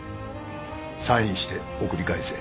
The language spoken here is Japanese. サインして送り返せ。